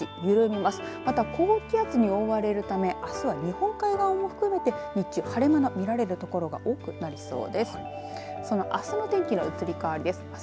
また高気圧に覆われるためあすは日本海側も含めて日中、晴れ間の見られる所が多くなりそうです。